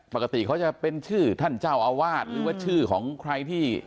ปกติเขาจะเป็นชื่อท่านเจ้าอาวาสหรือว่าชื่อของใครที่